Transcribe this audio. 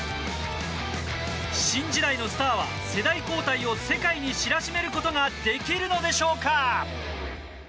新時代のスターは世代交代を世界に知らしめることができるのでしょうか。